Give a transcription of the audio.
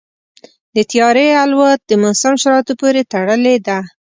د طیارې الوت د موسم شرایطو پورې تړلې ده.